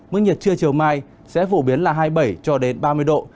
mức nhiệt trưa chiều mai sẽ phổ biến là hai mươi bảy cho đến ba mươi độ